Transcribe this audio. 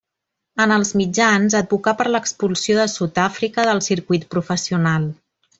En els mitjans, advocà per l'expulsió de Sud-àfrica del circuit professional.